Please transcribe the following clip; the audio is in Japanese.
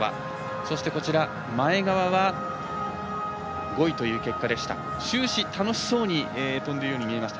そして、前川が５位という結果になりました。